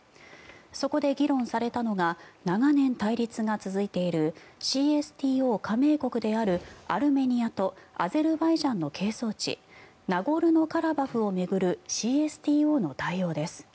そこで議論されたのが長年、対立が続いているＣＳＴＯ加盟国であるアルメニアとアゼルバイジャンの係争地ナゴルノカラバフを巡るＣＳＴＯの対応です。